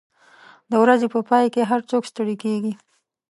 د ورځې په پای کې هر څوک ستړي کېږي.